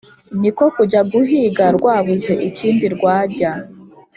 ni ko kujya guhiga rwabuze ikindi rwarya,